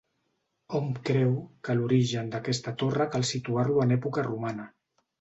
Hom creu que l'origen d'aquesta torre cal situar-lo en època romana.